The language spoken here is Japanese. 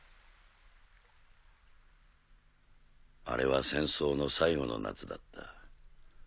あれは戦争の最後の夏だった。